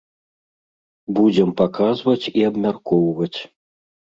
Будзем паказваць і абмяркоўваць.